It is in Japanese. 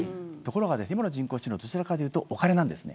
でも今の人工知能はどちらかというとお金なんです。